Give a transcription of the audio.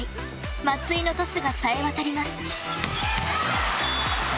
松井のトスがさえ渡ります。